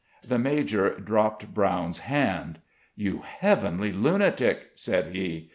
The major dropped Brown's hand. "You heavenly lunatic!" said he.